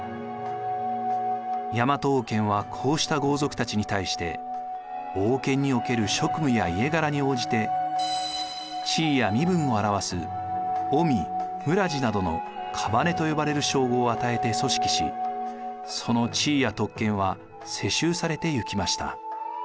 大和王権はこうした豪族たちに対して王権における職務や家柄に応じて地位や身分を表す臣連などの姓と呼ばれる称号を与えて組織しその地位や特権は世襲されていきました。